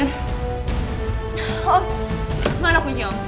om mana kuncinya om